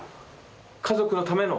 家族のための。